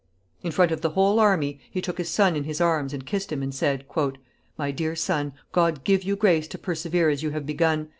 In front of the whole army, he took his son in his arms and kissed him, and said, "My dear son, God give you grace to persevere as you have begun.